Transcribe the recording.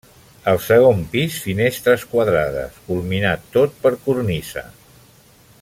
Al segon pis finestres quadrades culminat tot per cornisa.